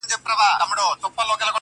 سترگه وره مي په پت باندي پوهېږي~